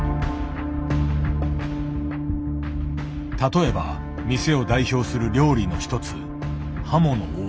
例えば店を代表する料理の一つハモのお椀。